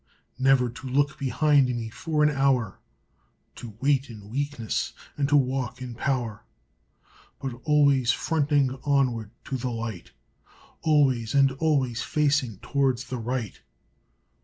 Never to look behind me for an hour! To wait in weakness, and to walk in power; But always fronting onward to the light, Always and always facing towards the right.